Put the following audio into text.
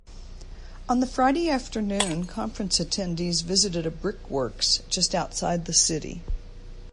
On the Friday afternoon conference attendees visited a brickworks just outside the city.